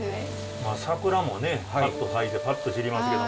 まあ桜もねパッと咲いてパッと散りますけど。